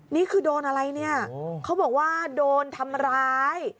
นี่คือโดนอะไรเนี่ยเขาบอกว่าโดนทำร้าย